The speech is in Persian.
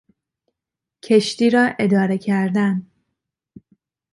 کشتی را اداره کردن